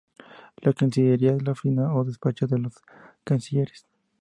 La cancillería es la oficina o despacho de los cancilleres.